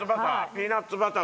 ピーナッツバター。